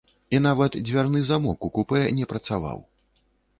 І нават дзвярны замок у купэ не працаваў.